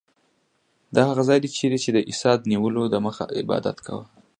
دا هغه ځای دی چیرې چې عیسی د نیولو دمخه عبادت کاوه.